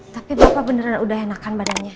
tapi bapak beneran udah enakan badannya